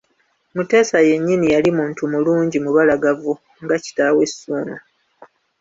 Mutesa yennyini yali muntu mulungi mubalagavu nga kitaawe Ssuuna.